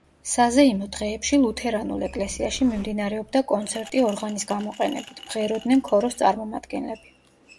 საზეიმო დღეებში ლუთერანულ ეკლესიაში მიმდინარეობდა კონცერტი ორღანის გამოყენებით, მღეროდნენ ქოროს წარმომადგენლები.